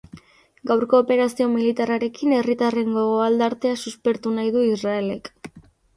Gaurko operazio militarrarekin herritarren gogo-aldartea suspertu nahi du Israelek.